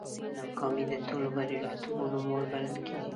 ناکامي د ټولو بریالیتوبونو مور بلل کېږي.